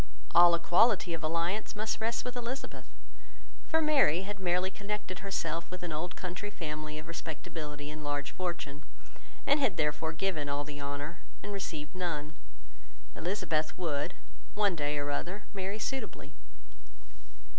All equality of alliance must rest with Elizabeth, for Mary had merely connected herself with an old country family of respectability and large fortune, and had therefore given all the honour and received none: Elizabeth would, one day or other, marry suitably.